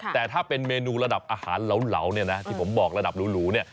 แต่ถ้าเป็นเมนูระดับอาหารเหลาเนี่ยนะที่ผมบอกระดับหรูเนี่ย